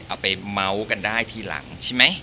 เอาไปเมาส์กันได้ทีหลังใช่ไหม